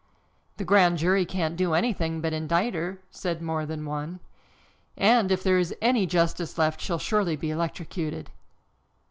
"The grand jury can't do anything but indict her," said more than one. "And, if there is any justice left, she'll surely be electrocuted."